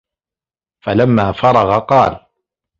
فَلَمَّا فَرَغَ قَالَ